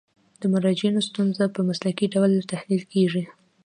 د مراجعینو ستونزې په مسلکي ډول تحلیل کیږي.